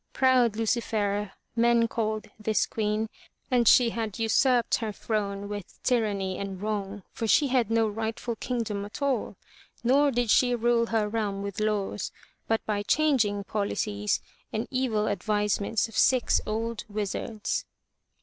Proud Lu ci fer'a men called this queen, and she had usurped her throne with tyranny and wrong, for she had no rightful kingdom at all. Nor did she rule her realm with laws, but by changing policies and evil advisements of six old wizards.